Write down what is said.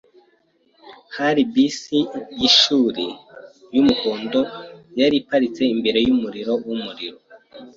Hari bisi yishuri yumuhondo yari iparitse imbere yumuriro wumuriro.